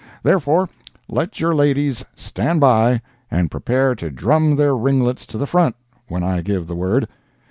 Therefore let your ladies "stand by" and prepare to drum their ringlets to the front when I give the word.